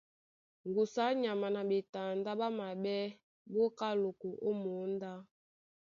Ŋgusu á nyama na ɓetandá ɓá maɓɛ́ ɓá oká loko ó mǒndá.